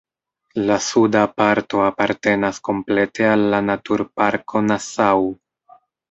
La suda parto apartenas komplete al la naturparko Nassau.